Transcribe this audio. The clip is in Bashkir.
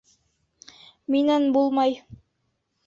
Минән булмай.